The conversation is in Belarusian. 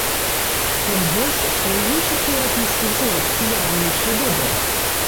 Тым больш, што і ў іншых еўрапейскіх зорак з піярам не ўсё добра.